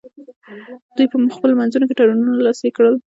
دوی په خپلو منځونو کې تړونونه لاسلیک کړل